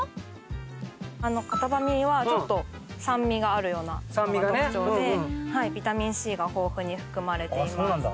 カタバミは酸味があるようなのが特徴でビタミンＣが豊富に含まれています。